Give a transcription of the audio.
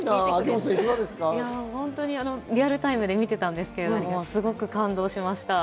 リアルタイムで見ていたんですけれど、すごく感動しました。